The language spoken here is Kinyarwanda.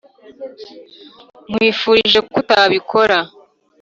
nkwifurije ko utabikora.